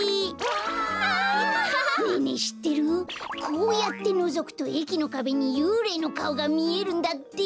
こうやってのぞくとえきのかべにゆうれいのかおがみえるんだって。